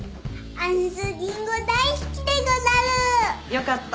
よかった。